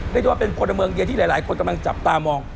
เรียกได้ว่าเป็นพลเมืองดีที่หลายคนกำลังจับตามอง